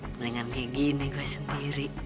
mendingan kayak gini gue sendiri